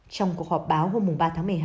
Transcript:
trong cuộc họp báo hôm ba tháng một mươi hai